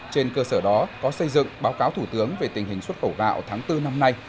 trên cơ sở đó có xây dựng báo cáo thủ tướng về tình hình xuất khẩu gạo tháng bốn năm nay